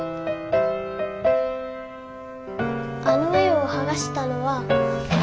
あの絵をはがしたのは。